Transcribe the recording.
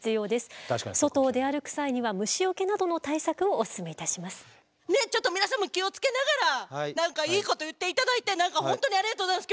おっしゃるとおりねっちょっと皆さんも気を付けながら何かいいこと言って頂いて本当にありがとうございます。